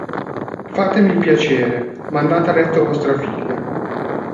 Fatemi il piacere, mandate a letto vostra figlia.